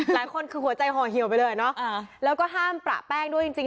หลายคนคือหัวใจห่อเหี่ยวไปเลยเนาะแล้วก็ห้ามประแป้งด้วยจริง